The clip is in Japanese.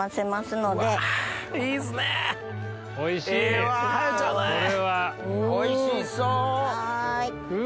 うわおいしそう！